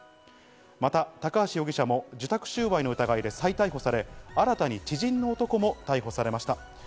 また、高橋容疑者も受託収賄の疑いで再逮捕され、新たに知人の男が逮捕されました。